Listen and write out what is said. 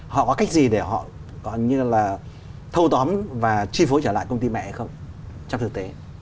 họ có cách gì để họ có như là thâu tóm và chi phối trở lại công ty mẹ hay không trong thực tế